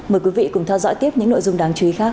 mời quý vị cùng theo dõi tiếp những nội dung đáng chú ý khác